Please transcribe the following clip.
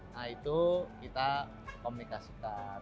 nah itu kita komunikasikan